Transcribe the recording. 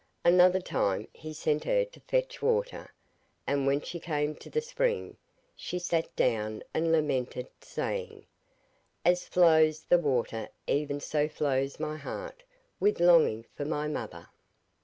Another time he sent her to fetch water, and when she came to the spring, she sat down and lamented, saying: 'As flows the water even so flows my heart with longing for my mother.